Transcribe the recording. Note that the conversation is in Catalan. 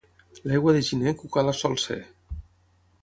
L'aigua de gener cucala sol ser.